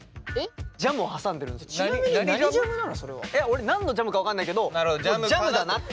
俺何のジャムか分かんないけどジャムだなっていう。